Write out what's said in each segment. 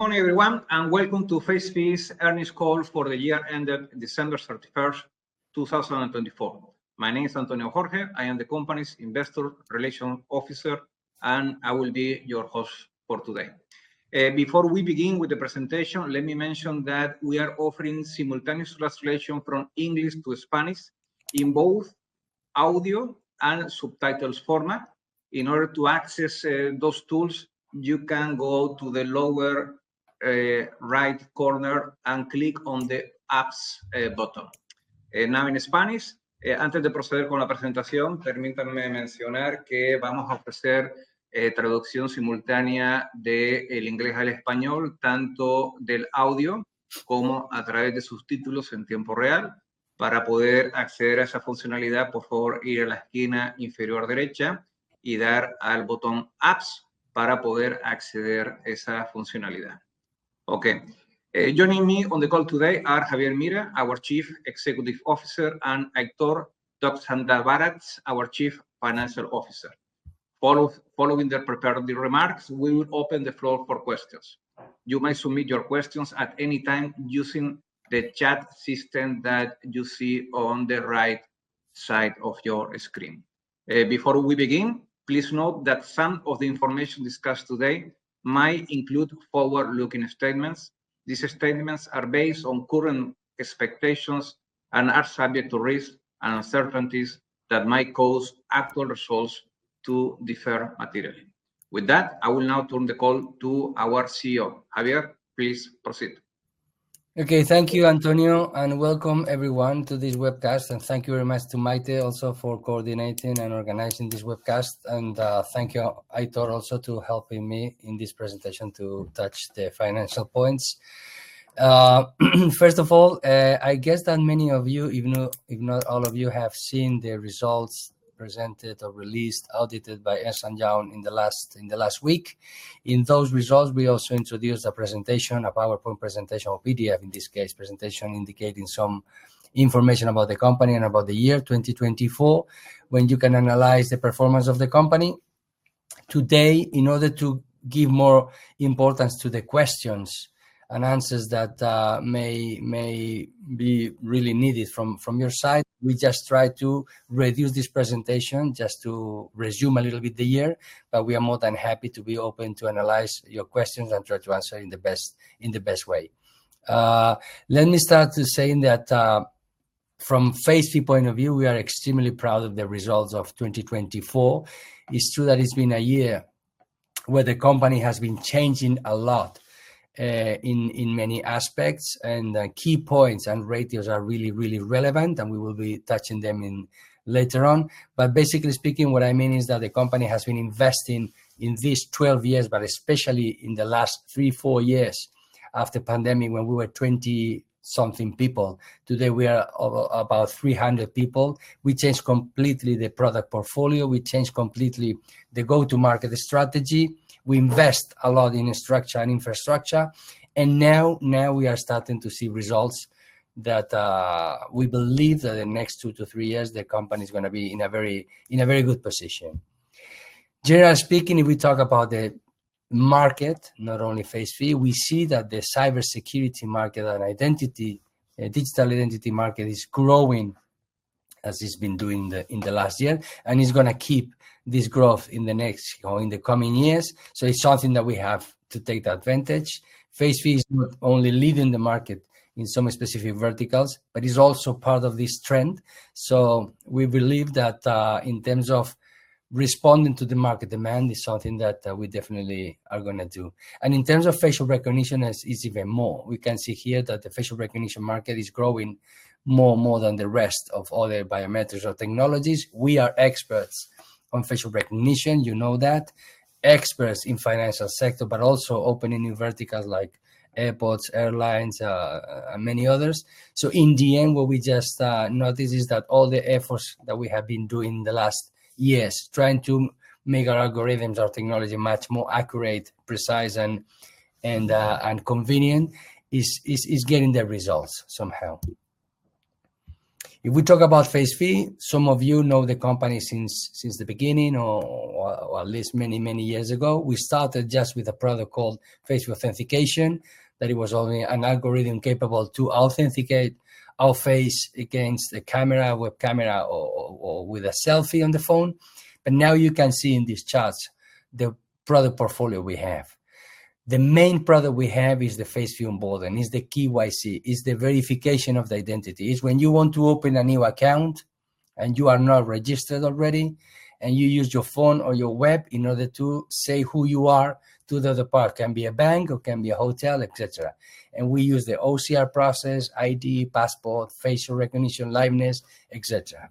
Good morning, everyone, and welcome to Faceph's Earnings Call for the year ended December 31st, 2024. My name is Antonio Jorge. I am the company's Investor Relations Officer, and I will be your host for today. Before we begin with the presentation, let me mention that we are offering simultaneous translation from English to Spanish in both audio and subtitles format. In order to access those tools, you can go to the lower right corner and click on the apps button. Now, in Spanish, [Spanish language] Okay. Joining me on the call today are Javier Mira, our Chief Executive Officer, and Aitor D'Oxandabaratz, our Chief Financial Officer. Following their prepared remarks, we will open the floor for questions. You may submit your questions at any time using the chat system that you see on the right side of your screen. Before we begin, please note that some of the information discussed today might include forward-looking statements. These statements are based on current expectations and are subject to risks and uncertainties that may cause actual results to differ materially. With that, I will now turn the call to our CEO, Javier. Please proceed. Okay, thank you, Antonio, and welcome everyone to this webcast. Thank you very much to Maite also for coordinating and organizing this webcast. Thank you, Aitor, also for helping me in this presentation to touch the financial points. First of all, I guess that many of you, if not all of you, have seen the results presented or released audited by Ernst & Young in the last week. In those results, we also introduced a presentation, a PowerPoint presentation or PDF, in this case, presentation indicating some information about the company and about the year 2024, where you can analyze the performance of the company. Today, in order to give more importance to the questions and answers that may be really needed from your side, we just try to reduce this presentation just to resume a little bit the year, but we are more than happy to be open to analyze your questions and try to answer in the best way. Let me start to say that from Facephi point of view, we are extremely proud of the results of 2024. It's true that it's been a year where the company has been changing a lot in many aspects, and key points and ratios are really, really relevant, and we will be touching them later on. Basically speaking, what I mean is that the company has been investing in these 12 years, but especially in the last three, four years after the pandemic when we were 20-something people. Today, we are about 300 people. We changed completely the product portfolio. We changed completely the go-to-market strategy. We invest a lot in structure and infrastructure. Now we are starting to see results that we believe that in the next two to three years, the company is going to be in a very good position. Generally speaking, if we talk about the market, not only Facephi, we see that the cybersecurity market and digital identity market is growing as it has been doing in the last year, and it is going to keep this growth in the next or in the coming years. It is something that we have to take advantage. Facephi is not only leading the market in some specific verticals, but it is also part of this trend. We believe that in terms of responding to the market demand, it is something that we definitely are going to do. In terms of facial recognition, it's even more. We can see here that the facial recognition market is growing more and more than the rest of other biometrics or technologies. We are experts on facial recognition. You know that. Experts in the financial sector, but also opening new verticals like airports, airlines, and many others. In the end, what we just noticed is that all the efforts that we have been doing in the last years trying to make our algorithms, our technology much more accurate, precise, and convenient is getting the results somehow. If we talk about Facephi, some of you know the company since the beginning or at least many, many years ago. We started just with a product called Face Authentication, that it was only an algorithm capable to authenticate our face against the camera, web camera, or with a selfie on the phone. Now you can see in these charts the product portfolio we have. The main product we have is the Facephi Onboarding. It's the KYC. It's the verification of the identity. It's when you want to open a new account and you are not registered already, and you use your phone or your web in order to say who you are to the other party. It can be a bank or it can be a hotel, etc. We use the OCR process, ID, passport, facial recognition, liveness, etc.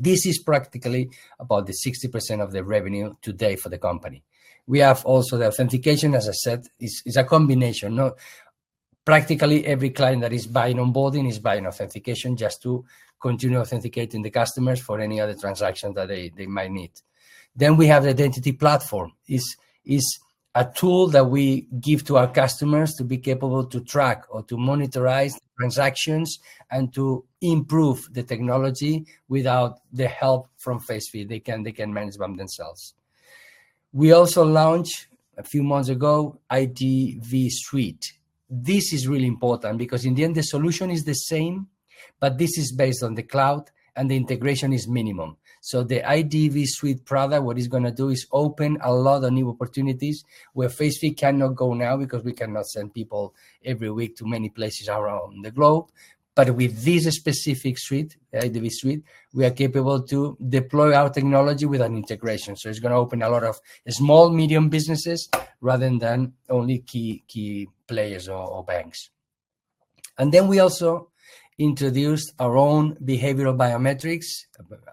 This is practically about 60% of the revenue today for the company. We have also the authentication, as I said, it's a combination. Practically every client that is buying onboarding is buying authentication just to continue authenticating the customers for any other transactions that they might need. We have the identity platform. It's a tool that we give to our customers to be capable to track or to monitorize transactions and to improve the technology without the help from Facephi. They can manage them themselves. We also launched a few months ago IDV Suite. This is really important because in the end, the solution is the same, but this is based on the cloud and the integration is minimum. The IDV Suite product, what it's going to do is open a lot of new opportunities where Facephi cannot go now because we cannot send people every week to many places around the globe. With this specific suite, IDV Suite, we are capable to deploy our technology with an integration. It's going to open a lot of small, medium businesses rather than only key players or banks. We also introduced our own behavioral biometrics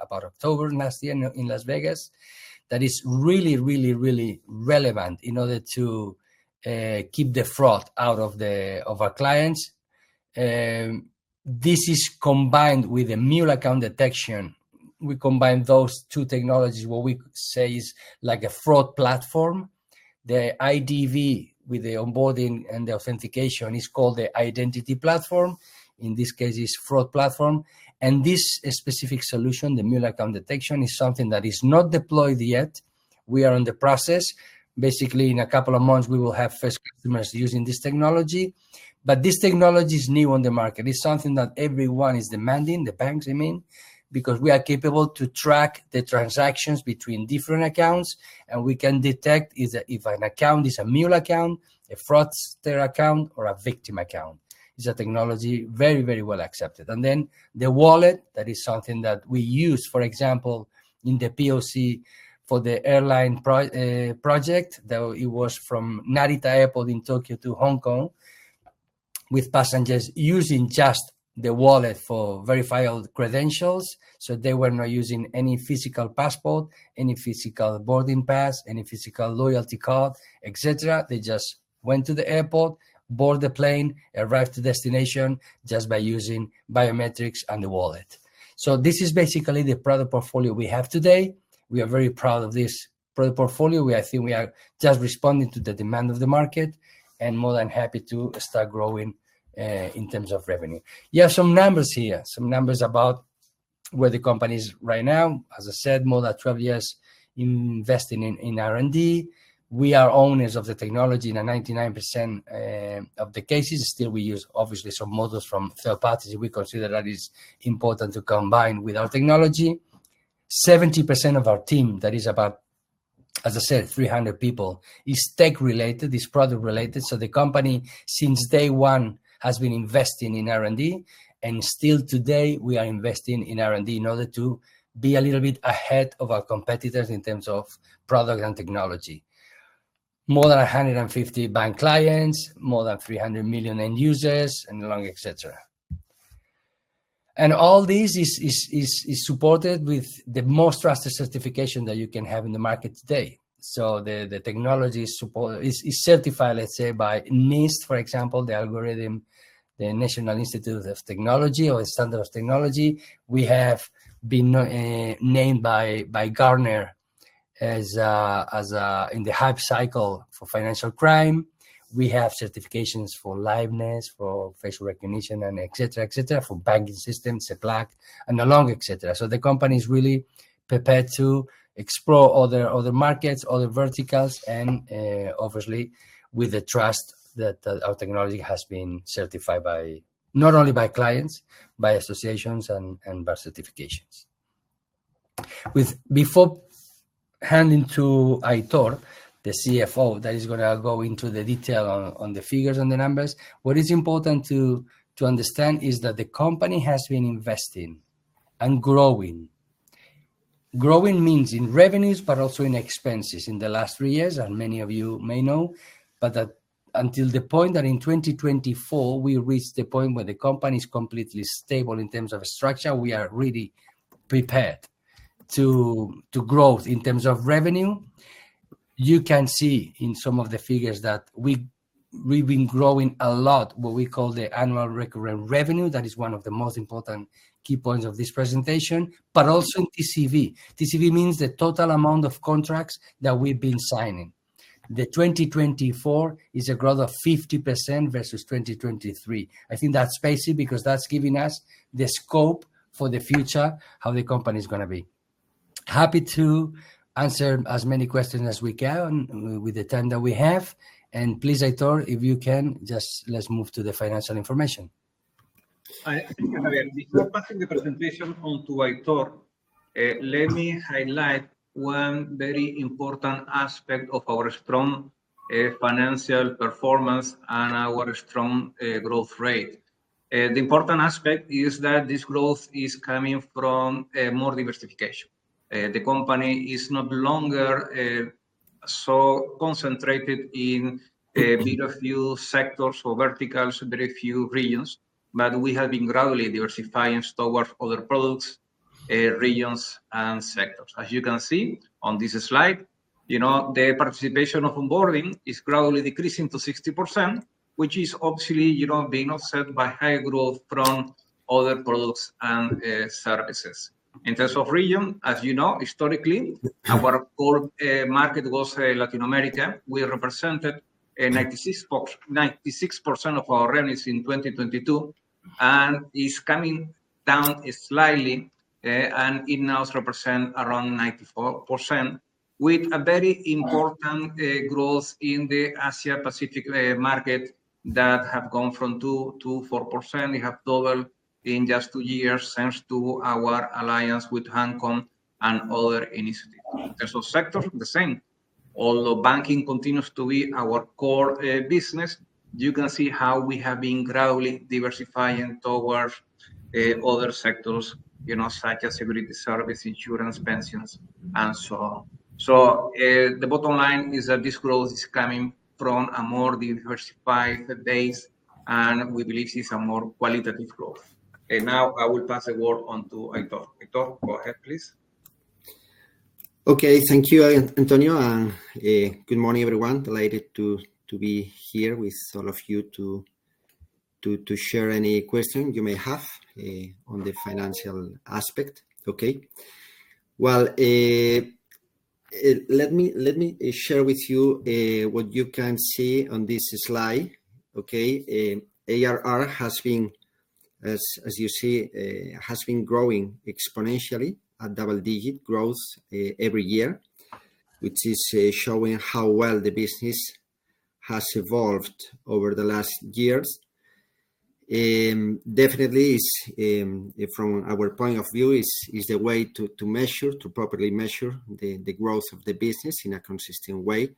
about October last year in Las Vegas that is really, really, really relevant in order to keep the fraud out of our clients. This is combined with the mule account detection. We combine those two technologies. What we say is like a fraud platform. The IDV with the onboarding and the authentication is called the identity platform. In this case, it is fraud platform. This specific solution, the mule account detection, is something that is not deployed yet. We are in the process. Basically, in a couple of months, we will have first customers using this technology. This technology is new on the market. It's something that everyone is demanding, the banks, I mean, because we are capable to track the transactions between different accounts, and we can detect if an account is a mule account, a fraudster account, or a victim account. It's a technology very, very well accepted. The wallet is something that we use, for example, in the POC for the airline project, that it was from Narita Airport in Tokyo to Hong Kong with passengers using just the wallet for verified credentials. They were not using any physical passport, any physical boarding pass, any physical loyalty card, etc. They just went to the airport, boarded the plane, arrived at the destination just by using biometrics and the wallet. This is basically the product portfolio we have today. We are very proud of this product portfolio. I think we are just responding to the demand of the market and more than happy to start growing in terms of revenue. We have some numbers here, some numbers about where the company is right now. As I said, more than 12 years investing in R&D. We are owners of the technology in 99% of the cases. Still, we use obviously some models from third parties. We consider that it's important to combine with our technology. 70% of our team, that is about, as I said, 300 people, is tech-related, is product-related. The company, since day one, has been investing in R&D, and still today we are investing in R&D in order to be a little bit ahead of our competitors in terms of product and technology. More than 150 bank clients, more than 300 million end users, and long, etc. All this is supported with the most trusted certification that you can have in the market today. The technology is certified, let's say, by NIST, for example, the algorithm, the National Institute of Technology or Standards ofTechnology. We have been named by Gartner in the hype cycle for financial crime. We have certifications for liveness, for facial recognition, and etc., etc., for banking systems, SECLAC, and along, etc. The company is really prepared to explore other markets, other verticals, and obviously with the trust that our technology has been certified not only by clients, by associations, and by certifications. Before handing to Aitor, the CFO, that is going to go into the detail on the figures and the numbers, what is important to understand is that the company has been investing and growing. Growing means in revenues, but also in expenses in the last three years, as many of you may know, but until the point that in 2024, we reached the point where the company is completely stable in terms of structure. We are really prepared to grow in terms of revenue. You can see in some of the figures that we've been growing a lot, what we call the annual recurrent revenue. That is one of the most important key points of this presentation, but also in TCV. TCV means the total amount of contracts that we've been signing. The 2024 is a growth of 50% versus 2023. I think that's basic because that's giving us the scope for the future, how the company is going to be. Happy to answer as many questions as we can with the time that we have. Please, Aitor, if you can, just let's move to the financial information. Before passing the presentation on to Aitor, let me highlight one very important aspect of our strong financial performance and our strong growth rate. The important aspect is that this growth is coming from more diversification. The company is no longer so concentrated in very few sectors or verticals, very few regions, but we have been gradually diversifying towards other products, regions, and sectors. As you can see on this slide, the participation of onboarding is gradually decreasing to 60%, which is obviously being offset by higher growth from other products and services. In terms of region, as you know, historically, our core market was Latin America. We represented 96% of our revenues in 2022, and it is coming down slightly, and it now represents around 94%, with a very important growth in the Asia-Pacific market that has gone from 2% to 4%. We have doubled in just two years thanks to our alliance with HANCOM and other initiatives. In terms of sectors, the same. Although banking continues to be our core business, you can see how we have been gradually diversifying towards other sectors, such as security service, insurance, pensions, and so on. The bottom line is that this growth is coming from a more diversified base, and we believe it's a more qualitative growth. I will pass the word on to Aitor. Aitor, go ahead, please. Okay, thank you, Antonio. Good morning, everyone. Delighted to be here with all of you to share any question you may have on the financial aspect. Okay. Let me share with you what you can see on this slide, okay. ARR has been, as you see, has been growing exponentially at double-digit growth every year, which is showing how well the business has evolved over the last years. Definitely, from our point of view, it's the way to measure, to properly measure the growth of the business in a consistent way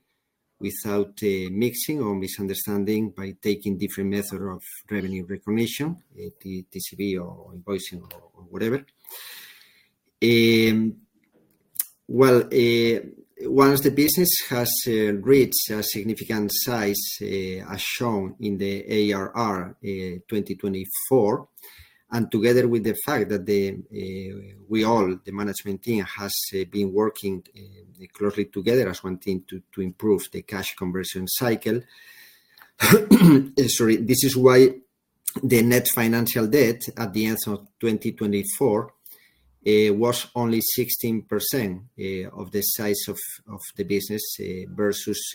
without mixing or misunderstanding by taking different methods of revenue recognition, TCV or invoicing or whatever. Once the business has reached a significant size, as shown in the ARR 2024, and together with the fact that we all, the management team, have been working closely together as one team to improve the cash conversion cycle, this is why the net financial debt at the end of 2024 was only 16% of the size of the business versus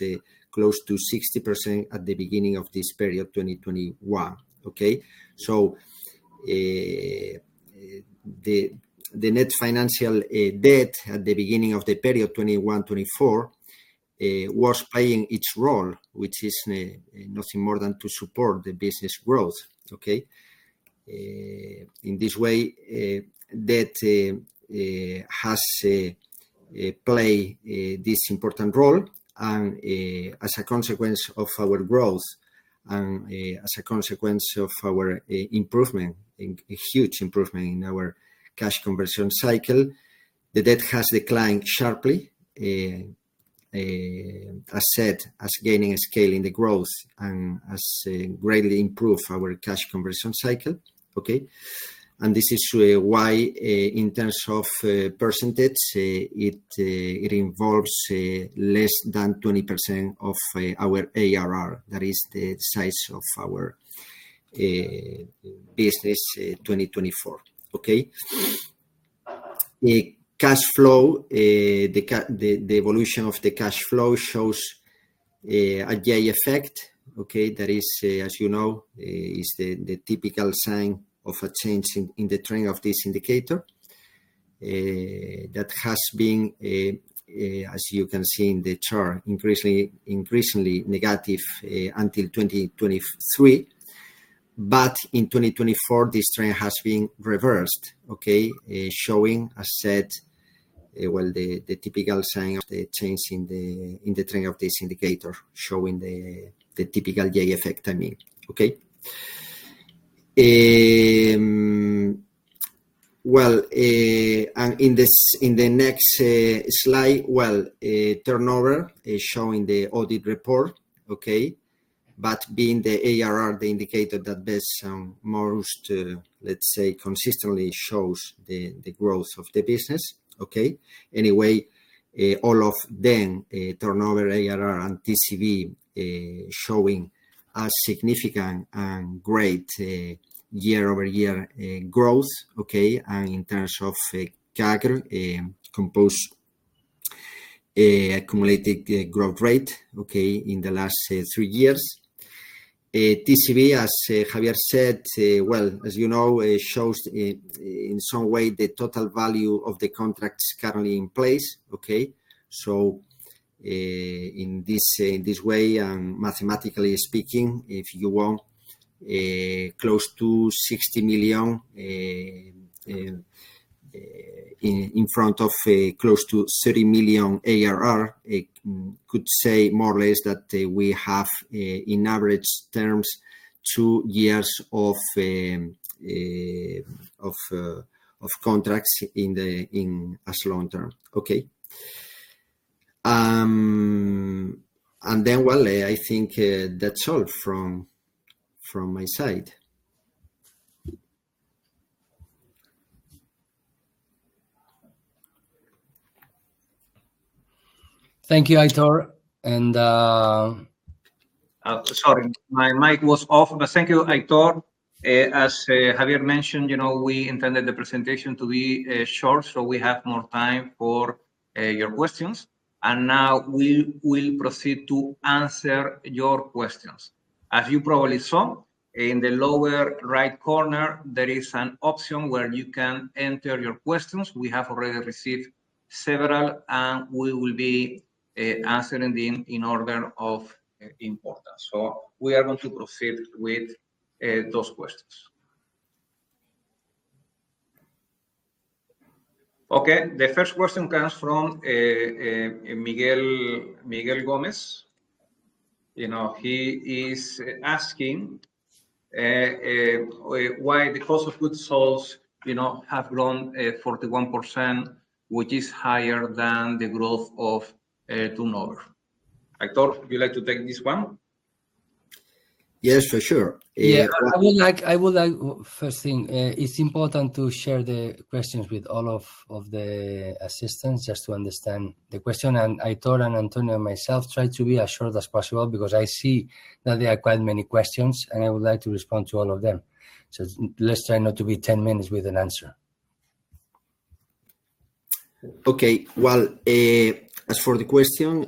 close to 60% at the beginning of this period, 2021, okay? The net financial debt at the beginning of the period 2021-2024 was playing its role, which is nothing more than to support the business growth. Okay? In this way, debt has played this important role. As a consequence of our growth and as a consequence of our improvement, a huge improvement in our cash conversion cycle, the debt has declined sharply, as said, as gaining scale in the growth and has greatly improved our cash conversion cycle., okay. This is why in terms of percentage, it involves less than 20% of our ARR, that is the size of our business in 2024, okay. The evolution of the cash flow shows a J effect, okay. That is, as you know, is the typical sign of a change in the trend of this indicator that has been, as you can see in the chart, increasingly negative until 2023. In 2024, this trend has been reversed, showing, as said, the typical sign. The change in the trend of this indicator showing the typical J effect, I mean, okay. In the next slide, turnover is showing the audit report, okay, but being the ARR, the indicator that most, let's say, consistently shows the growth of the business, okay? Anyway, all of them, turnover, ARR, and TCV showing a significant and great year-over-year growth, okay, and in terms of compound accumulated growth rate, okay, in the last three years. TCV, as Javier said, as you know, shows in some way the total value of the contracts currently in place, okay? In this way, and mathematically speaking, if you want, close to 60 million in front of close to 30 million ARR, it could say more or less that we have, in average terms, two years of contracts as long term, okay? Anton, I think that's all from my side. Thank you, Aitor. Sorry, my mic was off, but thank you, Aitor. As Javier mentioned, we intended the presentation to be short, so we have more time for your questions. Now we will proceed to answer your questions. As you probably saw, in the lower right corner, there is an option where you can enter your questions. We have already received several, and we will be answering them in order of importance. We are going to proceed with those questions. Okay. The first question comes from Miguel Gomez. He is asking why the cost of goods have grown 41%, which is higher than the growth of turnover. Aitor, would you like to take this one? Yes, for sure. I would like, first thing, it's important to share the questions with all of the assistants just to understand the question. Aitor and Antonio and myself try to be as short as possible because I see that there are quite many questions, and I would like to respond to all of them. Let's try not to be 10 minutes with an answer. Okay. As for the question,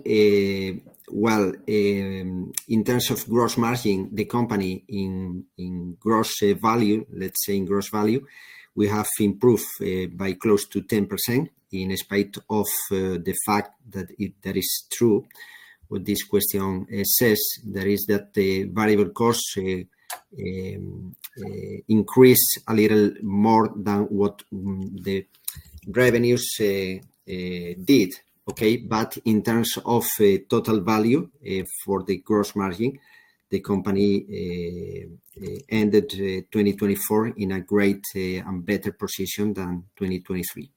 in terms of gross margin, the company in gross value, let's say in gross value, we have improved by close to 10% in spite of the fact that it is true what this question says, that is that the variable cost increased a little more than what the revenues did. Okay? In terms of total value for the gross margin, the company ended 2024 in a great and better position than 2023.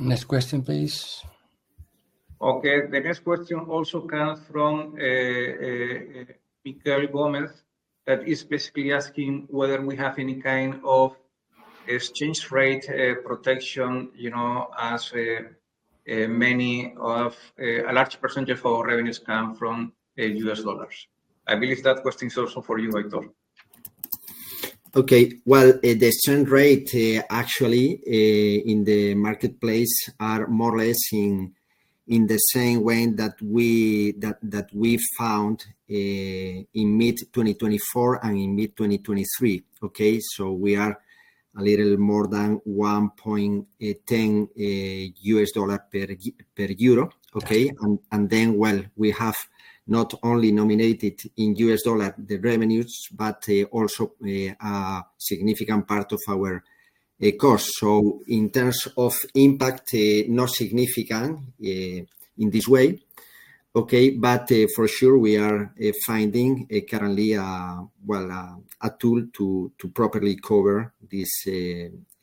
Next question, please. Okay. The next question also comes from Miguel Gomez, that is basically asking whether we have any kind of exchange rate protection as many of a large percentage of our revenues come from U.S. dollars. I believe that question is also for you, Aitor. Okay. The exchange rate actually in the marketplace are more or less in the same way that we found in mid-2024 and in mid-2023. Okay? We are a little more than $1.10 per euro. Okay? We have not only nominated in U.S. dollar the revenues, but also a significant part of our cost. In terms of impact, not significant in this way. Okay? For sure, we are finding currently a tool to properly cover this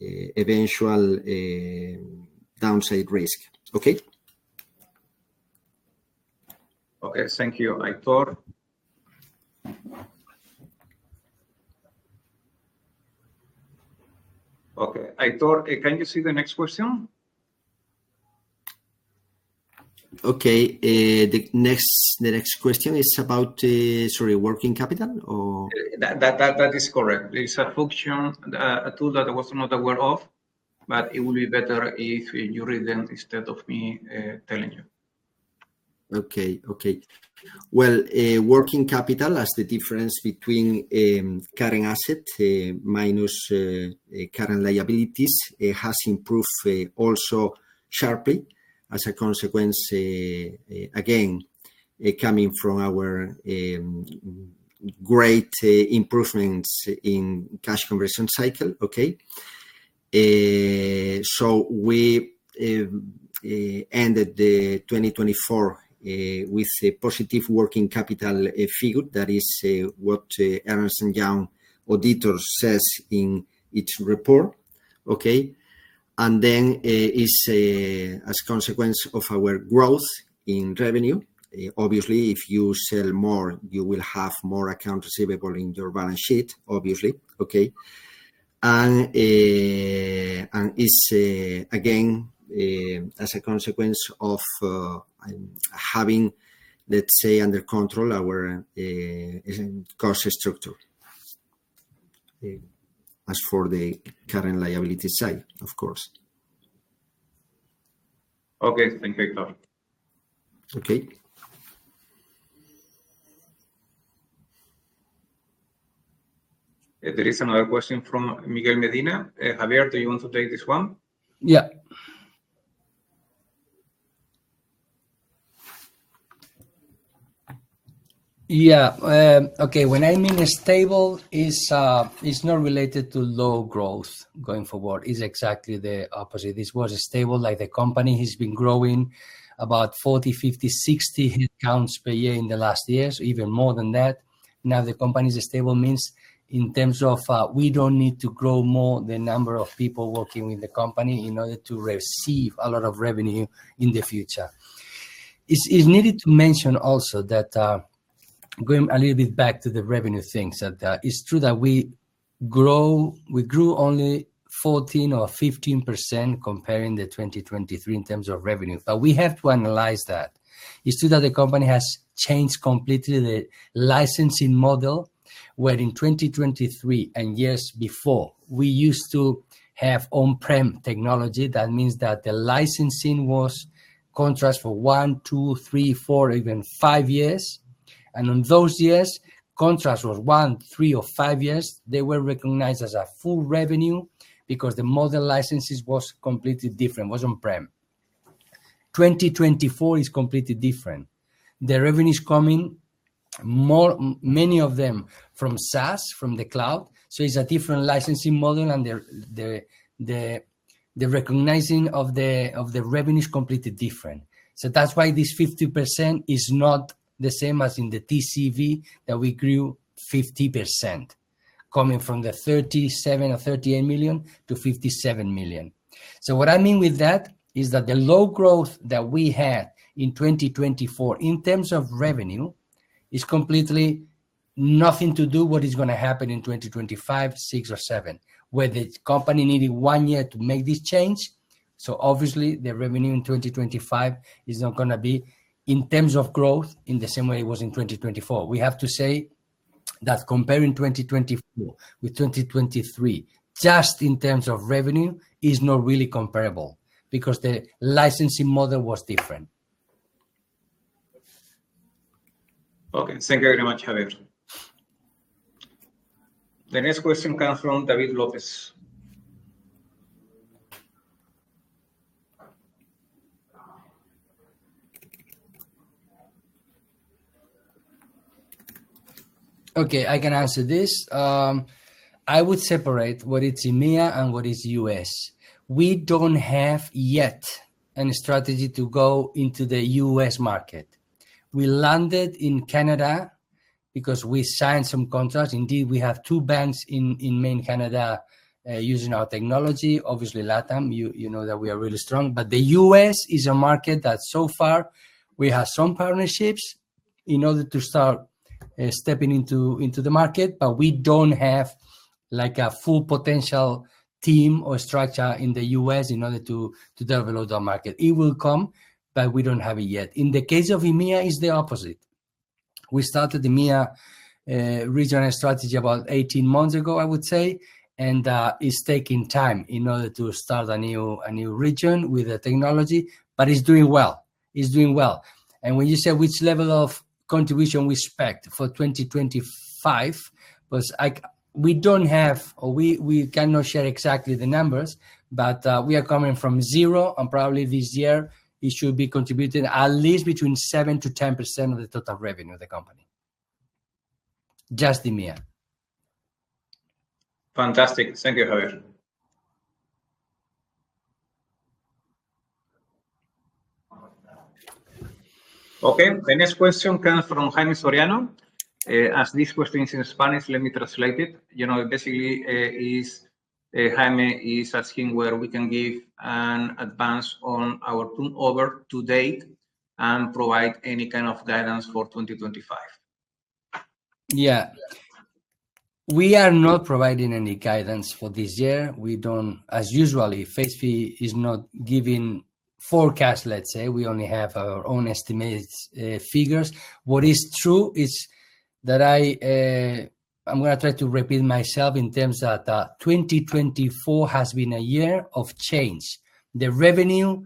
eventual downside risk. Okay? Okay. Thank you, Aitor. Okay. Aitor, can you see the next question? Okay. The next question is about, sorry, working capital or? That is correct. It's a function, a tool that I was not aware of, but it will be better if you read them instead of me telling you. Okay. Okay. Working capital as the difference between current asset minus current liabilities has improved also sharply as a consequence, again, coming from our great improvements in cash conversion cycle. Okay? We ended 2024 with a positive working capital figure. That is what Ernst & Young auditor says in its report. Okay? It is as a consequence of our growth in revenue. Obviously, if you sell more, you will have more accounts receivable in your balance sheet, obviously. Okay? It is again as a consequence of having, let's say, under control our cost structure as for the current liability side, of course. Okay. Thank you, Aitor. Okay. There is another question from Miguel Medina. Javier, do you want to take this one? Yeah. Yeah. Okay. When I mean stable, it's not related to low growth going forward. It's exactly the opposite. It was stable like the company has been growing about 40, 50, 60 headcounts per year in the last years, even more than that. Now, the company is stable means in terms of we do not need to grow more the number of people working with the company in order to receive a lot of revenue in the future. It's needed to mention also that going a little bit back to the revenue things, it's true that we grew only 14% or 15% comparing the 2023 in terms of revenue. We have to analyze that. It's true that the company has changed completely the licensing model, where in 2023 and years before, we used to have on-prem technology. That means that the licensing was contracts for one, two, three, four, even five years. On those years, contracts were one, three, or five years, they were recognized as a full revenue because the model licenses was completely different, was on-prem. 2024 is completely different. The revenues coming, many of them from SaaS, from the cloud. It is a different licensing model, and the recognizing of the revenue is completely different. That is why this 50% is not the same as in the TCV that we grew 50%, coming from the 37 million or 38 million to 57 million. What I mean with that is that the low growth that we had in 2024 in terms of revenue is completely nothing to do with what is going to happen in 2025, 2026, or 2027, where the company needed one year to make this change. Obviously, the revenue in 2025 is not going to be in terms of growth in the same way it was in 2024. We have to say that comparing 2024 with 2023, just in terms of revenue, is not really comparable because the licensing model was different. Okay. Thank you very much, Javier. The next question comes from David Lopez. Okay. I can answer this. I would separate what is EMEA and what is U.S. We do not have yet a strategy to go into the U.S. market. We landed in Canada because we signed some contracts. Indeed, we have two banks in main Canada using our technology, obviously LATAM. You know that we are really strong. The U.S. is a market that so far we have some partnerships in order to start stepping into the market, but we do not have a full potential team or structure in the U.S. in order to develop that market. It will come, but we do not have it yet. In the case of EMEA, it is the opposite. We started EMEA regional strategy about 18 months ago, I would say, and it is taking time in order to start a new region with the technology, but it is doing well. It is doing well. When you say which level of contribution we expect for 2025, we do not have or we cannot share exactly the numbers, but we are coming from zero, and probably this year, it should be contributing at least between 7% to 10% of the total revenue of the company, just EMEA. Fantastic. Thank you, Javier. Okay. The next question comes from Jaime Soriano. As this question is in Spanish, let me translate it. Basically, Jaime is asking where we can give an advance on our turnover today and provide any kind of guidance for 2025. Yeah. We are not providing any guidance for this year. As usual, Facephi is not giving forecasts, let's say. We only have our own estimated figures. What is true is that I'm going to try to repeat myself in terms that 2024 has been a year of change. The revenue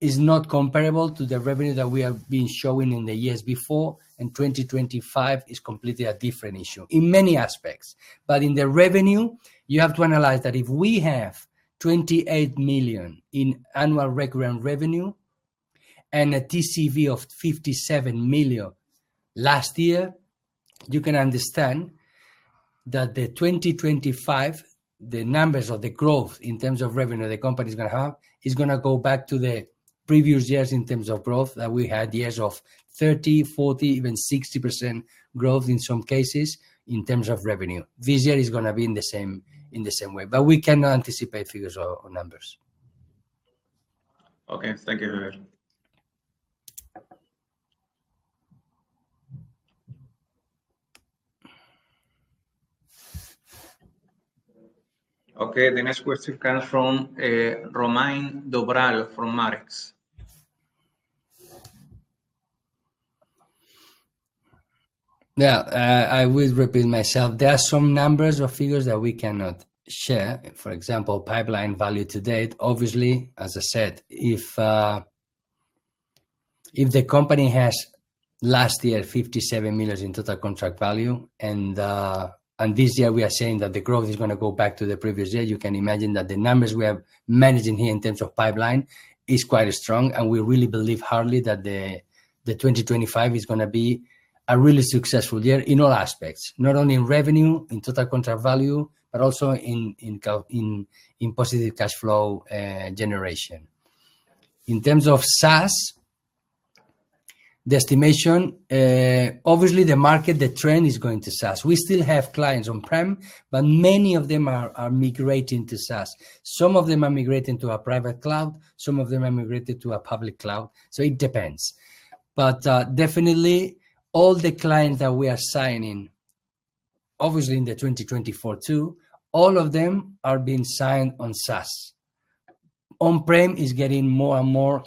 is not comparable to the revenue that we have been showing in the years before, and 2025 is completely a different issue in many aspects. In the revenue, you have to analyze that if we have 28 million in annual recurring revenue and a TCV of 57 million last year, you can understand that 2025, the numbers of the growth in terms of revenue the company is going to have is going to go back to the previous years in terms of growth that we had years of 30%, 40%, even 60% growth in some cases in terms of revenue. This year is going to be in the same way. We cannot anticipate figures or numbers. Okay. Thank you, Javier. Okay. The next question comes from Romain D'Obral from Markets. Yeah. I will repeat myself. There are some numbers or figures that we cannot share. For example, pipeline value to date. Obviously, as I said, if the company has last year 57 million in total contract value, and this year we are saying that the growth is going to go back to the previous year, you can imagine that the numbers we are managing here in terms of pipeline is quite strong. We really believe hardly that 2025 is going to be a really successful year in all aspects, not only in revenue, in total contract value, but also in positive cash flow generation. In terms of SaaS, the estimation, obviously, the market, the trend is going to SaaS. We still have clients on-prem, but many of them are migrating to SaaS. Some of them are migrating to a private cloud. Some of them are migrating to a public cloud. It depends. Definitely, all the clients that we are signing, obviously in 2024 too, all of them are being signed on SaaS. On-prem is getting more and more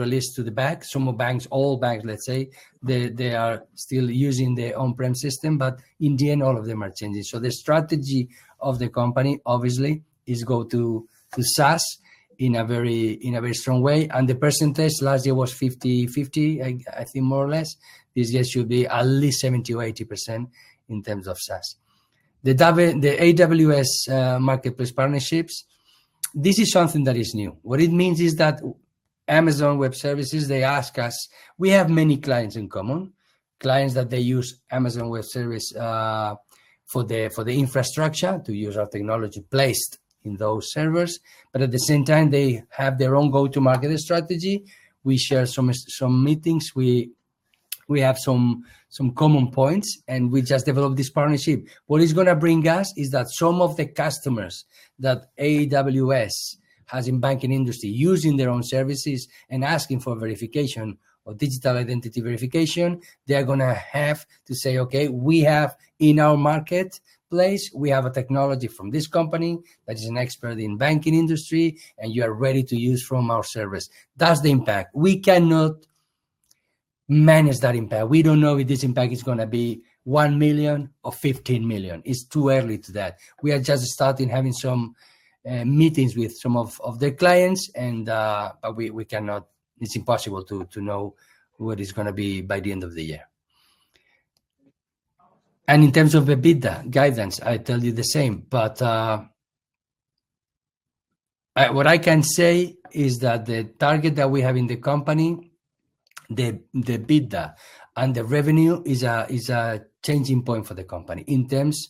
released to the bank. Some of the banks, all banks, let's say, they are still using the on-prem system, but in the end, all of them are changing. The strategy of the company, obviously, is go to SaaS in a very strong way. The percentage last year was 50/50, I think more or less. This year should be at least 70% to 80% in terms of SaaS. The AWS Marketplace partnerships, this is something that is new. What it means is that Amazon Web Services, they ask us, we have many clients in common, clients that they use Amazon Web Services for the infrastructure to use our technology placed in those servers. At the same time, they have their own go-to-market strategy. We share some meetings. We have some common points, and we just developed this partnership. What it's going to bring us is that some of the customers that AWS has in the banking industry using their own services and asking for verification or digital identity verification, they're going to have to say, "okay, we have in our marketplace, we have a technology from this company that is an expert in the banking industry, and you are ready to use from our service." That's the impact. We cannot manage that impact. We do not know if this impact is going to be 1 million or 15 million. It is too early to say that. We are just starting having some meetings with some of the clients, but we cannot, it is impossible to know what it is going to be by the end of the year. In terms of EBITDA guidance, I tell you the same. What I can say is that the target that we have in the company, the EBITDA and the revenue, is a changing point for the company in terms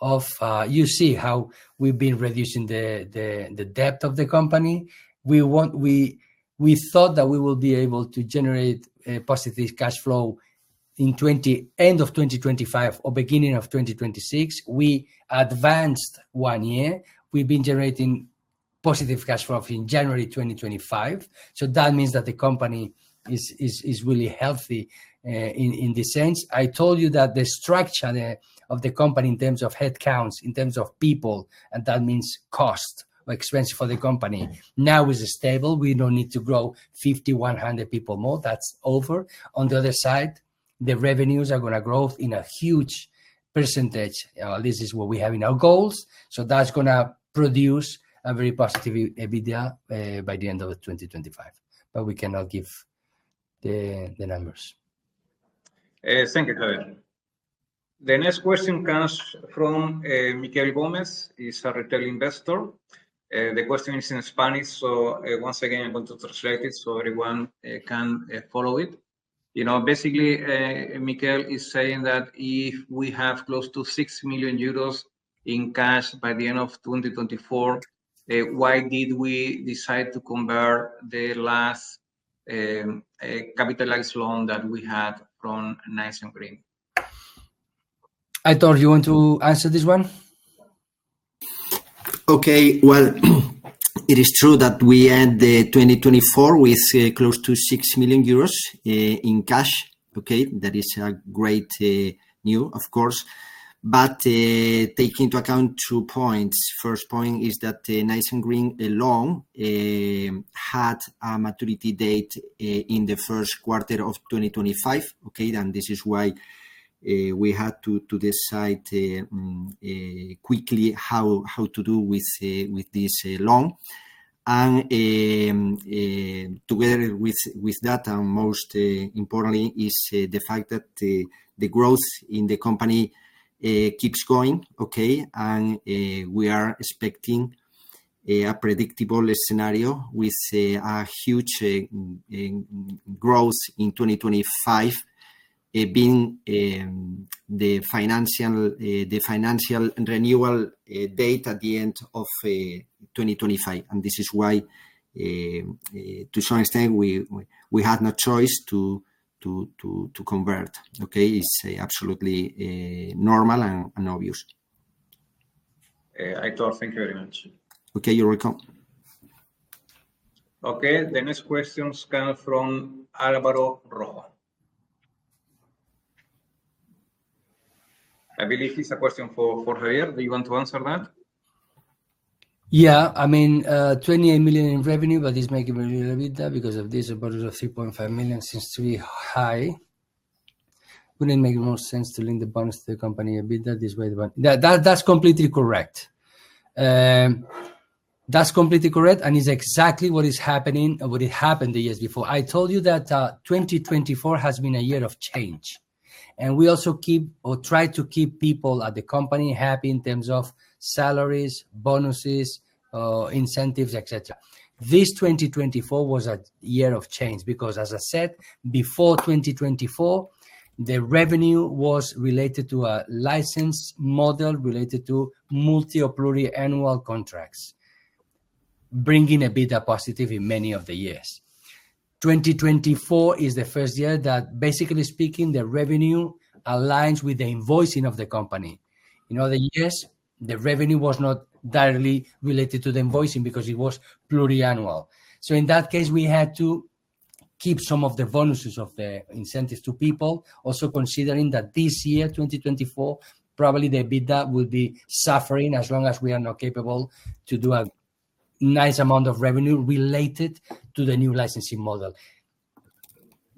of you see how we have been reducing the debt of the company. We thought that we would be able to generate positive cash flow at the end of 2025 or beginning of 2026. We advanced one year. We have been generating positive cash flow in January 2025. That means that the company is really healthy in this sense. I told you that the structure of the company in terms of headcounts, in terms of people, and that means cost or expense for the company now is stable. We do not need to grow 5,100 people more. That is over. On the other side, the revenues are going to grow in a huge percentage. This is what we have in our goals. That is going to produce a very positive EBITDA by the end of 2025. We cannot give the numbers. Thank you, Javier. The next question comes from Miguel Gomez. He's a retail investor. The question is in Spanish. Once again, I'm going to translate it so everyone can follow it. Basically, Miguel is saying that if we have close to 6 million euros in cash by the end of 2024, why did we decide to convert the last capitalized loan that we had from Nice and Green? Aitor, you want to answer this one. Okay. It is true that we end 2024 with close to 6 million euros in cash. Okay. That is great news, of course. Taking into account two points. First point is that the Nice and Green loan had a maturity date in the first quarter of 2025. Okay. This is why we had to decide quickly how to do with this loan. Together with that, and most importantly, is the fact that the growth in the company keeps going. Okay. We are expecting a predictable scenario with a huge growth in 2025, being the financial renewal date at the end of 2025. This is why, to some extent, we had no choice to convert. Okay. It is absolutely normal and obvious. Aitor, thank you very much. Okay. You're welcome. Okay. The next question comes from Álvaro Roja. I believe it's a question for Javier. Do you want to answer that? Yeah. I mean, 28 million in revenue, but it's making me believe EBITDA because of this bonus of 3.5 million seems to be high. Wouldn't make more sense to link the bonus to the company EBITDA this way. That's completely correct. That's completely correct and it's exactly what is happening or what happened the years before. I told you that 2024 has been a year of change. We also keep or try to keep people at the company happy in terms of salaries, bonuses, incentives, etc. This 2024 was a year of change because, as I said, before 2024, the revenue was related to a license model related to multi or pluriannual contracts, bringing EBITDA positive in many of the years. 2024 is the first year that, basically speaking, the revenue aligns with the invoicing of the company. In other years, the revenue was not directly related to the invoicing because it was pluriannual. In that case, we had to keep some of the bonuses of the incentives to people, also considering that this year, 2024, probably the EBITDA will be suffering as long as we are not capable to do a nice amount of revenue related to the new licensing model.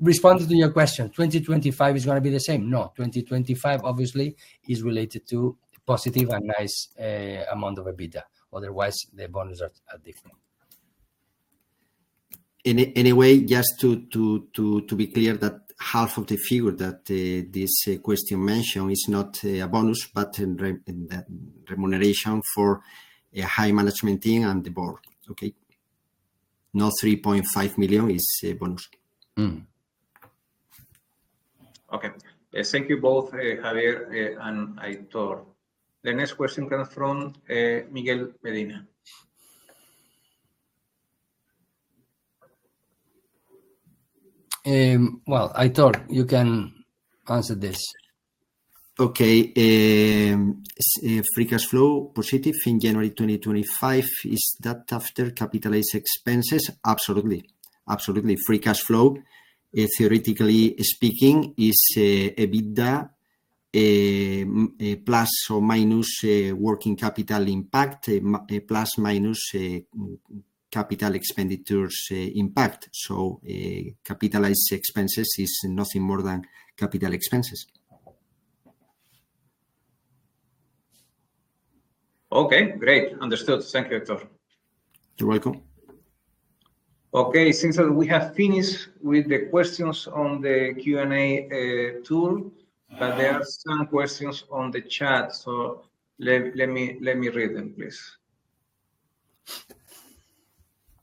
Responding to your question, 2025 is going to be the same? No. 2025, obviously, is related to positive and nice amount of EBITDA. Otherwise, the bonuses are different. In any way, just to be clear that half of the figure that this question mentioned is not a bonus, but a remuneration for a high management team and the board. Okay. Not 3.5 million is a bonus. Okay. Thank you both, Javier and Aitor. The next question comes from Miguel Medina. Aitor, you can answer this. Okay. Free cash flow positive in January 2025, is that after capitalized expenses? Absolutely. Absolutely. Free cash flow, theoretically speaking, is EBITDA plus or minus working capital impact plus minus capital expenditures impact. So capitalized expenses is nothing more than capital expenses. Okay. Great. Understood. Thank you, Aitor. You're welcome. Okay. It seems that we have finished with the questions on the Q&A tool, but there are some questions on the chat. Let me read them, please.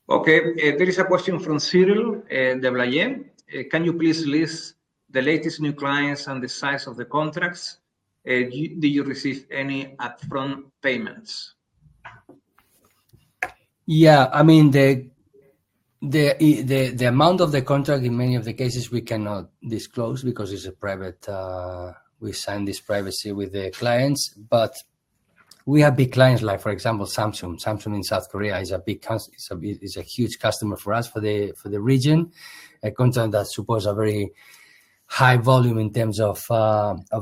There is a question from Cyril D'Oblayen. Can you please list the latest new clients and the size of the contracts? Did you receive any upfront payments? Yeah. I mean, the amount of the contract, in many of the cases, we cannot disclose because it's a private we sign this privacy with the clients. But we have big clients, like, for example, Samsung. Samsung in South Korea is a huge customer for us for the region. A contract that supposed a very high volume in terms of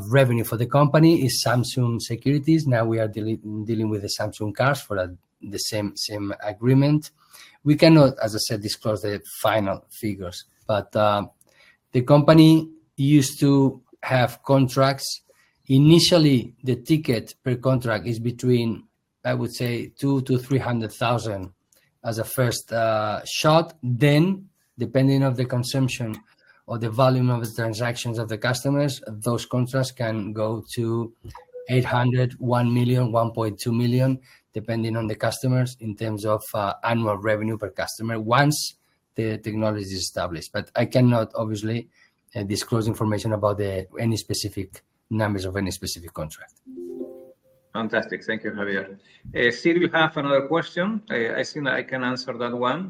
revenue for the company is Samsung Securities. Now we are dealing with the Samsung Cars for the same agreement. We cannot, as I said, disclose the final figures. But the company used to have contracts. Initially, the ticket per contract is between, I would say, 200,00 to 300,000 as a first shot. Depending on the consumption or the volume of the transactions of the customers, those contracts can go to 800,000, 1,000,000, 1.2 million, depending on the customers in terms of annual revenue per customer once the technology is established. I cannot, obviously, disclose information about any specific numbers of any specific contract. Fantastic. Thank you, Javier. Cyril has another question. I think I can answer that one.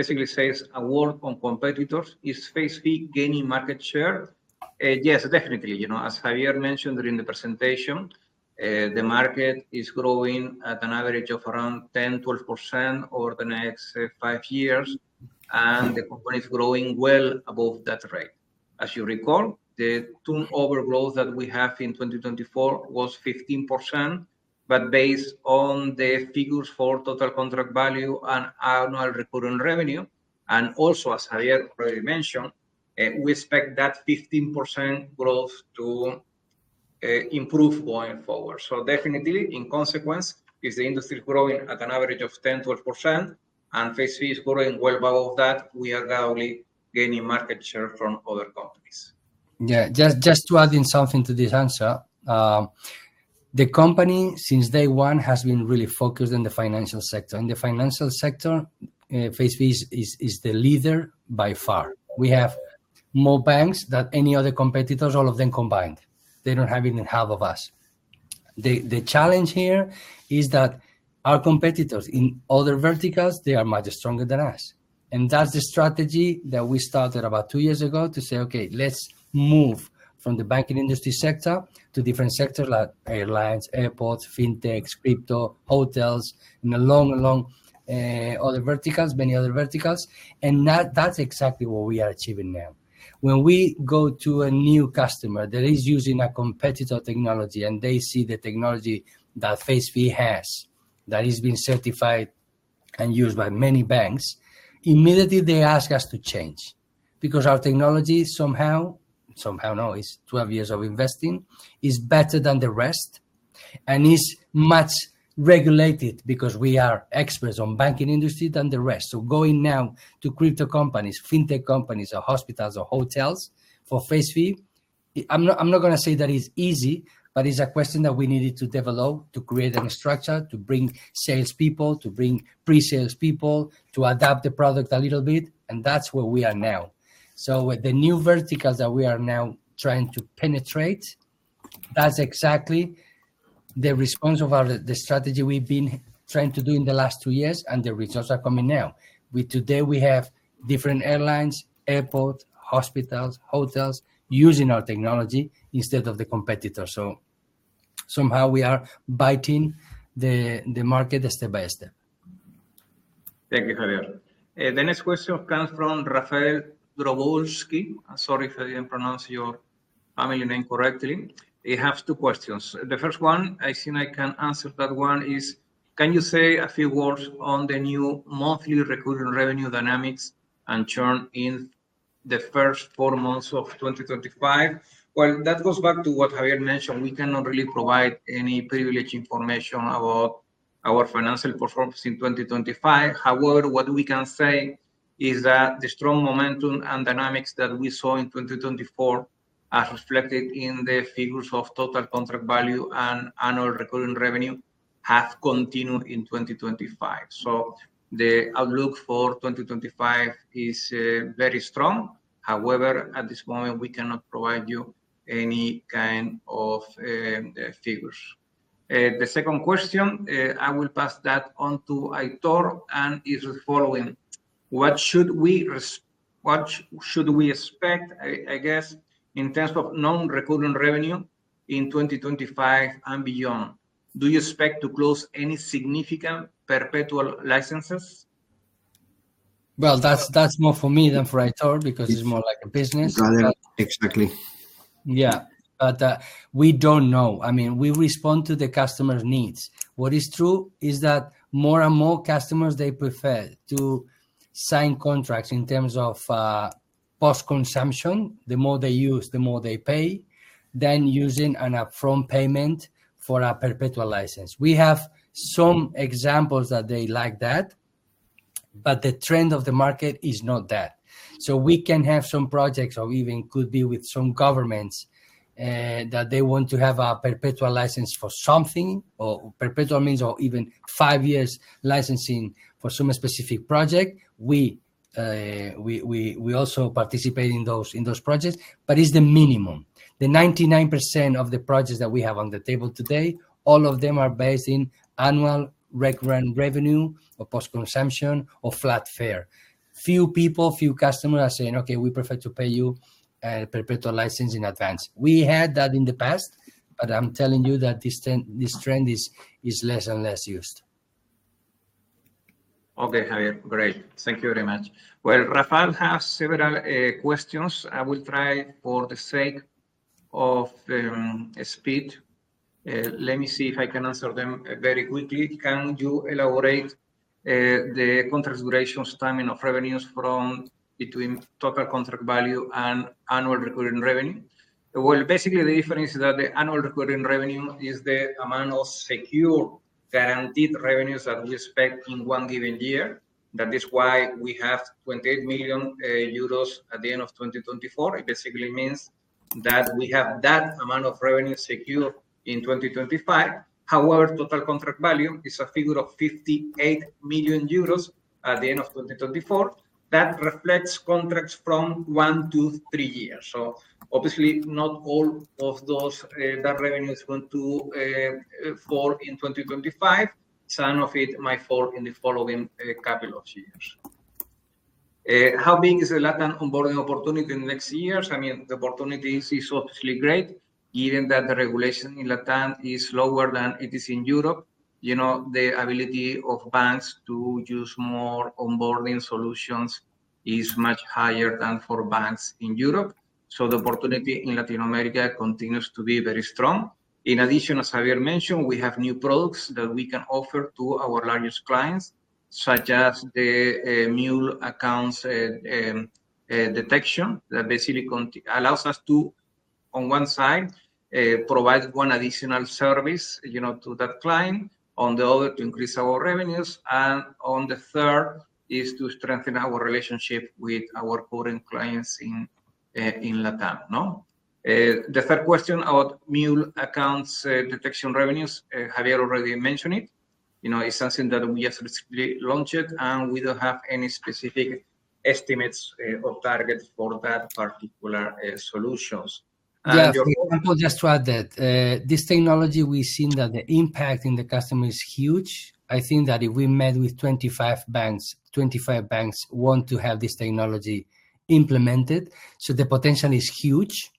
Basically says, "award on competitors, is Facephi gaining market share?" Yes, definitely. As Javier mentioned during the presentation, the market is growing at an average of around 10%-12% over the next five years, and the company is growing well above that rate. As you recall, the turnover growth that we have in 2024 was 15%. Based on the figures for total contract value and annual recurring revenue, and also, as Javier already mentioned, we expect that 15% growth to improve going forward. Definitely, in consequence, if the industry is growing at an average of 10% to 12%, and Facephi is growing well above that, we are gaining market share from other companies. Yeah. Just to add in something to this answer, the company, since day one, has been really focused on the financial sector. In the financial sector, Facephi is the leader by far. We have more banks than any other competitors, all of them combined. They do not have even half of us. The challenge here is that our competitors in other verticals, they are much stronger than us. That is the strategy that we started about two years ago to say, "okay, let's move from the banking industry sector to different sectors like airlines, airports, fintechs, crypto, hotels, and a long, long other verticals, many other verticals." That is exactly what we are achieving now. When we go to a new customer that is using a competitor technology and they see the technology that Facephi has that is being certified and used by many banks, immediately they ask us to change because our technology somehow, somehow no, it's 12 years of investing, is better than the rest and is much regulated because we are experts on banking industry than the rest. Going now to crypto companies, fintech companies, or hospitals or hotels for Facephi, I'm not going to say that it's easy, but it's a question that we needed to develop to create a structure, to bring salespeople, to bring pre-salespeople, to adapt the product a little bit. That's where we are now. With the new verticals that we are now trying to penetrate, that's exactly the response of the strategy we've been trying to do in the last two years, and the results are coming now. Today, we have different airlines, airports, hospitals, hotels using our technology instead of the competitors. Somehow we are biting the market step by step. Thank you, Javier. The next question comes from Rafael Drobulski. Sorry, if I did not pronounce your family name correctly. He has two questions. The first one, I think I can answer that one, is, "can you say a few words on the new monthly recurring revenue dynamics and churn in the first four months of 2025?" That goes back to what Javier mentioned. We cannot really provide any privileged information about our financial performance in 2025. However, what we can say is that the strong momentum and dynamics that we saw in 2024 are reflected in the figures of total contract value and annual recurring revenue and have continued in 2025. The outlook for 2025 is very strong. However, at this moment, we cannot provide you any kind of figures. The second question, I will pass that on to Aitor, and it is the following. What should we expect, I guess, in terms of non-recurring revenue in 2025 and beyond? Do you expect to close any significant perpetual licenses? That's more for me than for Aitor because it's more like a business. Exactly. Yeah. We do not know. I mean, we respond to the customer's needs. What is true is that more and more customers, they prefer to sign contracts in terms of post-consumption. The more they use, the more they pay than using an upfront payment for a perpetual license. We have some examples that they like that, but the trend of the market is not that. We can have some projects or even could be with some governments that they want to have a perpetual license for something, or perpetual means or even five years licensing for some specific project. We also participate in those projects, but it is the minimum. Ninety-nine percent of the projects that we have on the table today, all of them are based in annual recurring revenue or post-consumption or flat fare. Few people, few customers are saying, "okay, we prefer to pay you a perpetual license in advance." we had that in the past, but I'm telling you that this trend is less and less used. Okay, Javier. Great. Thank you very much. Rafael has several questions. I will try for the sake of speed. Let me see if I can answer them very quickly. Can you elaborate the contract duration timing of revenues from between total contract value and annual recurring revenue? Basically, the difference is that the annual recurring revenue is the amount of secure guaranteed revenues that we expect in one given year. That is why we have 28 million euros at the end of 2024. It basically means that we have that amount of revenue secure in 2025. However, total contract value is a figure of 58 million euros at the end of 2024. That reflects contracts from one to three years. Obviously, not all of those revenues are going to fall in 2025. Some of it might fall in the following couple of years. How big is the LATAM onboarding opportunity in the next years? I mean, the opportunity is obviously great, given that the regulation in LATAM is lower than it is in Europe. The ability of banks to use more onboarding solutions is much higher than for banks in Europe. The opportunity in Latin America continues to be very strong. In addition, as Javier mentioned, we have new products that we can offer to our largest clients, such as the mule account detection that basically allows us to, on one side, provide one additional service to that client, on the other to increase our revenues, and on the third is to strengthen our relationship with our current clients in LATAM. The third question about mule account detection revenues, Javier already mentioned it. It's something that we just recently launched, and we don't have any specific estimates or targets for that particular solution. Yeah. I'll just add that this technology, we've seen that the impact in the customer is huge. I think that if we met with 25 banks, 25 banks want to have this technology implemented. The potential is huge.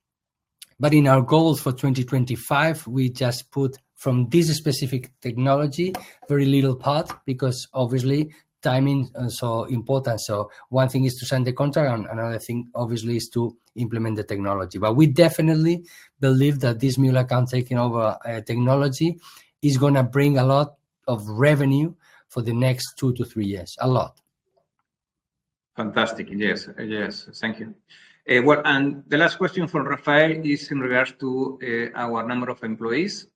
In our goals for 2025, we just put from this specific technology very little part because, obviously, timing is so important. One thing is to sign the contract, and another thing, obviously, is to implement the technology. We definitely believe that this mule account taking over technology is going to bring a lot of revenue for the next two to three years, a lot. Fantastic. Yes. Yes. Thank you. The last question for Rafael is in regards to our number of employees.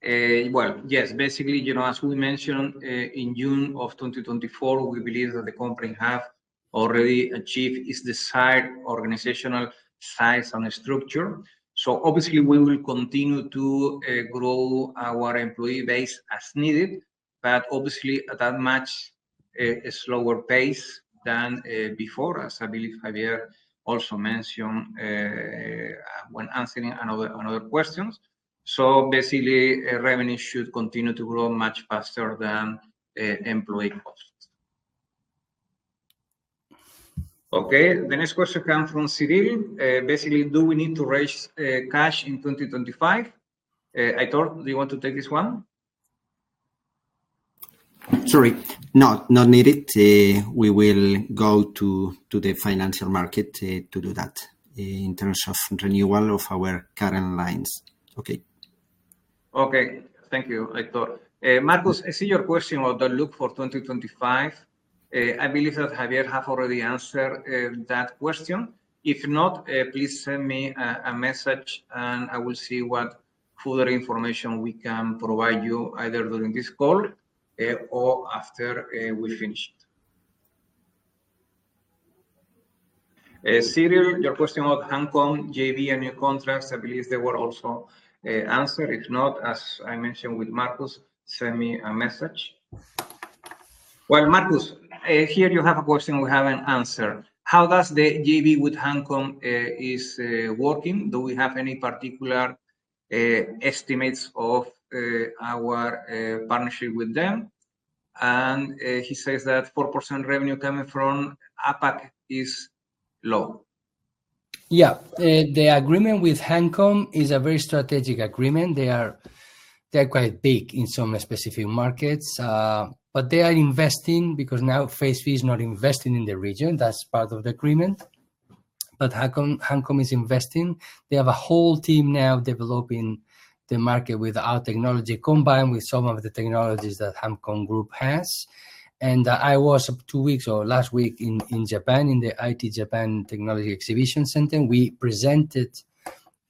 Yes, basically, as we mentioned, in June of 2024, we believe that the company have already achieved its desired organizational size and structure. Obviously, we will continue to grow our employee base as needed, but obviously at a much slower pace than before, as I believe Javier also mentioned when answering another question. Basically, revenue should continue to grow much faster than employee costs. Okay. The next question comes from Cyril. Basically, do we need to raise cash in 2025? Aitor, do you want to take this one? Sorry. No, not needed. We will go to the financial market to do that in terms of renewal of our current lines. Okay. Okay. Thank you, Aitor. Marcos, I see your question about the look for 2025. I believe that Javier has already answered that question. If not, please send me a message, and I will see what further information we can provide you either during this call or after we finish. Cyril, your question about HANCOM, JV, and new contracts, I believe they were also answered. If not, as I mentioned with Marcos, send me a message. Marcos, here you have a question we have not answered. How does the JV with HANCOM work? Do we have any particular estimates of our partnership with them? And he says that 4% revenue coming from APAC is low. Yeah. The agreement with HANCOM is a very strategic agreement. They are quite big in some specific markets, but they are investing because now Facephi is not investing in the region. That's part of the agreement. HANCOM is investing. They have a whole team now developing the market with our technology combined with some of the technologies that HANCOM Group has. I was two weeks or last week in Japan in the IT Japan Technology Exhibition Center. We presented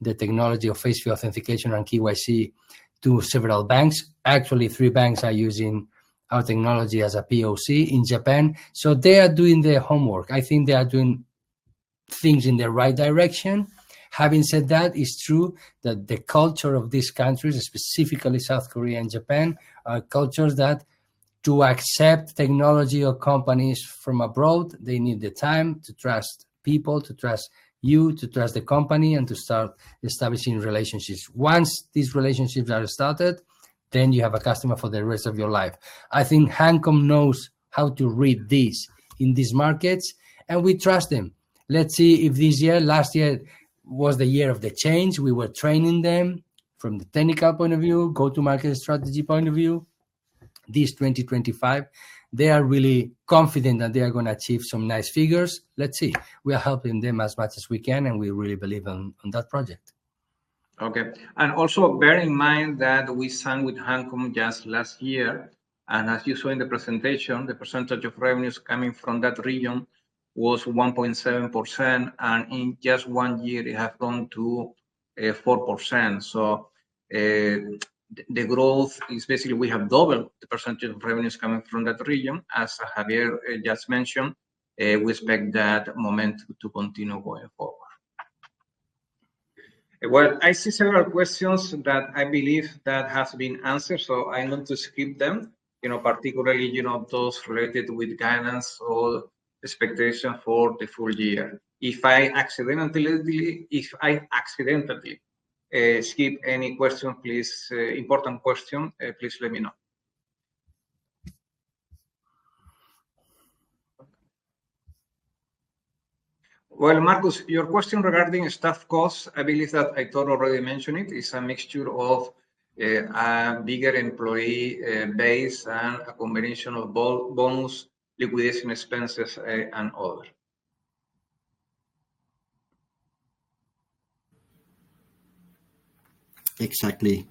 the technology of Facephi authentication on KYC to several banks. Actually, three banks are using our technology as a POC in Japan. They are doing their homework. I think they are doing things in the right direction. Having said that, it's true that the culture of these countries, specifically South Korea and Japan, are cultures that to accept technology or companies from abroad, they need the time to trust people, to trust you, to trust the company, and to start establishing relationships. Once these relationships are started, then you have a customer for the rest of your life. I think HANCOM knows how to read these in these markets, and we trust them. Let's see if this year, last year was the year of the change. We were training them from the technical point of view, go-to-market strategy point of view. This 2025, they are really confident that they are going to achieve some nice figures. Let's see. We are helping them as much as we can, and we really believe on that project. Okay. Also bear in mind that we signed with HANCOM just last year. As you saw in the presentation, the percentage of revenues coming from that region was 1.7%. In just one year, it has gone to 4%. The growth is basically we have doubled the percentage of revenues coming from that region. As Javier just mentioned, we expect that momentum to continue going forward. I see several questions that I believe have been answered, so I'm going to skip them, particularly those related with guidance or expectation for the full year. If I accidentally skip any important question, please let me know. Marcus, your question regarding staff costs, I believe that Aitor already mentioned it. It's a mixture of a bigger employee base and a combination of bonus, liquidation expenses, and other. Exactly.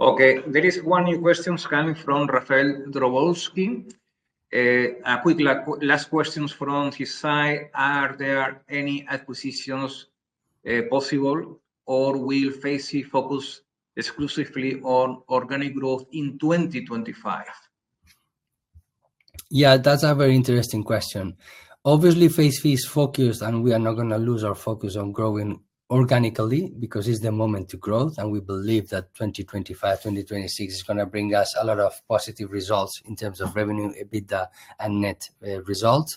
Okay. There is one new question coming from Rafael Drobulski. A quick last question from his side. Are there any acquisitions possible, or will Facephi focus exclusively on organic growth in 2025? Yeah, that's a very interesting question. Obviously, Facephi is focused, and we are not going to lose our focus on growing organically because it's the moment to grow, and we believe that 2025, 2026 is going to bring us a lot of positive results in terms of revenue, EBITDA, and net results.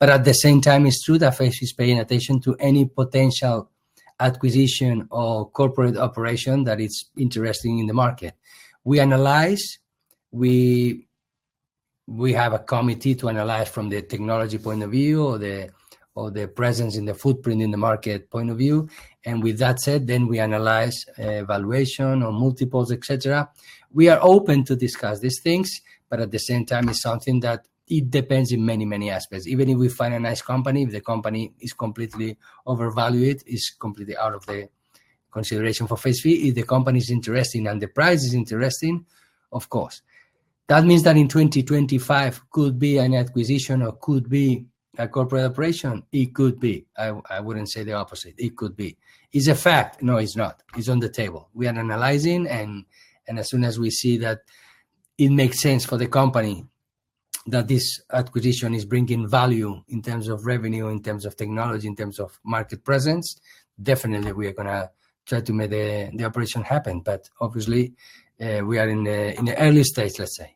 At the same time, it's true that Facephi is paying attention to any potential acquisition or corporate operation that is interesting in the market. We analyze. We have a committee to analyze from the technology point of view or the presence in the footprint in the market point of view. With that said, then we analyze valuation or multiples, et cetera. We are open to discuss these things, but at the same time, it's something that depends in many, many aspects. Even if we find a nice company, if the company is completely overvalued, it is completely out of the consideration for Facephi. If the company is interesting and the price is interesting, of course. That means that in 2025, could be an acquisition or could be a corporate operation? It could be. I would not say the opposite. It could be. It is a fact. No, it is not. It is on the table. We are analyzing, and as soon as we see that it makes sense for the company that this acquisition is bringing value in terms of revenue, in terms of technology, in terms of market presence, definitely we are going to try to make the operation happen. Obviously, we are in the early stage, let's say.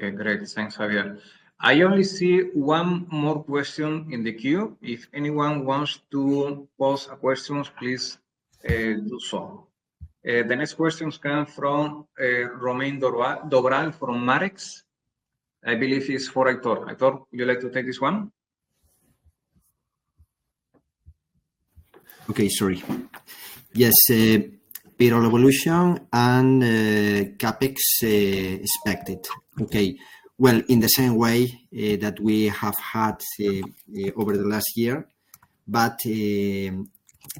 Okay. Great. Thanks, Javier. I only see one more question in the queue. If anyone wants to pose a question, please do so. The next question comes from Romain D'Obral from Markets. I believe it's for Aitor. Aitor, you like to take this one? Okay. Sorry. Yes. Payroll evolution and CapEx expected. Okay. In the same way that we have had over the last year.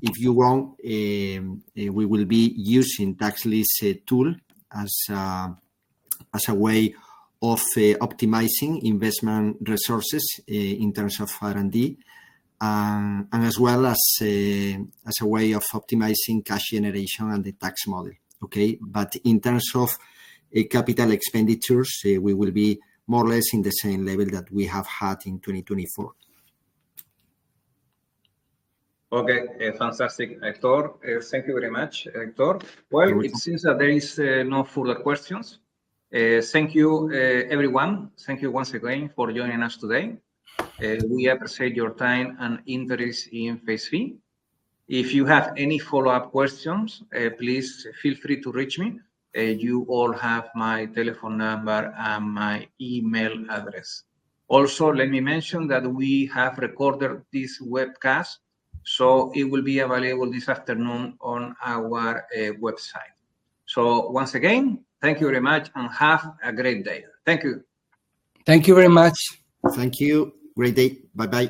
If you want, we will be using the tax list tool as a way of optimizing investment resources in terms of R&D and as well as a way of optimizing cash generation and the tax model. Okay. In terms of capital expenditures, we will be more or less in the same level that we have had in 2024. Okay. Fantastic. Aitor, thank you very much, Aitor. It seems that there are no further questions. Thank you, everyone. Thank you once again for joining us today. We appreciate your time and interest in Facephi Biometria. If you have any follow-up questions, please feel free to reach me. You all have my telephone number and my email address. Also, let me mention that we have recorded this webcast, so it will be available this afternoon on our website. Once again, thank you very much, and have a great day. Thank you. Thank you very much. Thank you. Great day. Bye-bye.